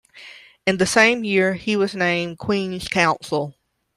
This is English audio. In the same year, he was named Queen's Counsel.